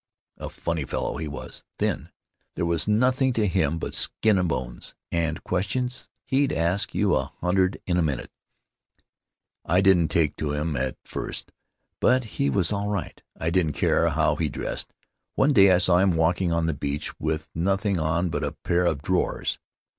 A funny fellow he was ... thin! There was nothing to Faery Lands of the South Seas him but skin and bones. And questions — he'd ask you a hundred in a minute! I didn't take to him at first, but he was all right. He didn't care how he dressed; one day I saw him walking on the beach with nothing on but a pair of drawers."